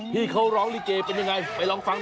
ที่เขาร้องลิเกด้วยเป็นอย่างไรไปร้องฟังหน่อย